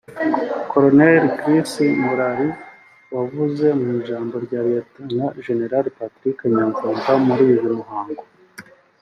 Col Chris Murari wavuze mu ijambo rya Lt Gen Patrick Nyamvumba muri uyu muhango